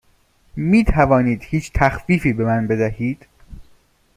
می توانید هیچ تخفیفی به من بدهید؟